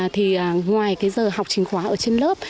thì ngoài cái giờ học trình khóa ở trên lớp